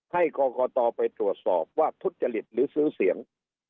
ให้กรกตไปตรวจสอบว่าทุจริตหรือซื้อเสียง